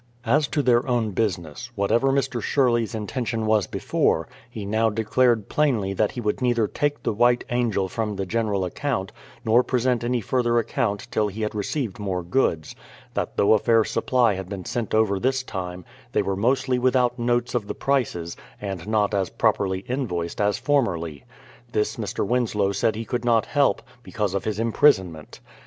As to their own business, whatever Mr, Sherley's in 266 BRADFORD'S HISTORY OF tentlon was before, lie now declared plainly that he would neither take the White Angel from the general account, nor present any further account till he had received more goods; that though a fair supply had been sent over this time, they were mostly without notes of the prices, and not as properly invoiced as formerly. This Mr. Winslow said he could not help, because of his imprisonment.